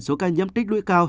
số ca nhiễm tích lũy cao